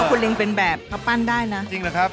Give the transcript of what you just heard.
ไม่ใช่เป็นกินอันนี้ผมใช้